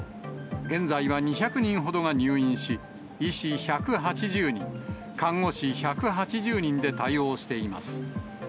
現在は２００人ほどが入院し、医師１８０人、看護師１８０人で対応しています。